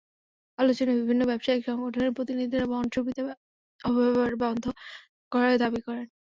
আলোচনায় বিভিন্ন ব্যবসায়িক সংগঠনের প্রতিনিধিরা বন্ড সুবিধা অপব্যবহার বন্ধ করার দাবি করেন।